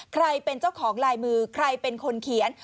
ใครเป็นเจ้าของลายมือใครเป็นคนเขียน